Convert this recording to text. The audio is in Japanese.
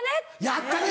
やったね！